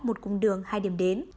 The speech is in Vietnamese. một cung đường hai điểm đến